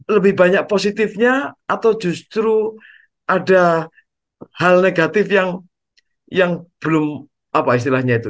lebih banyak positifnya atau justru ada hal negatif yang belum apa istilahnya itu